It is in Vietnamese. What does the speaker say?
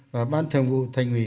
và ban thường vụ thành ủy